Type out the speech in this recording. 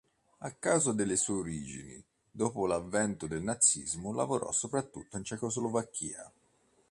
A causa delle sue origini dopo l'avvento del nazismo lavorò soprattutto in Cecoslovacchia.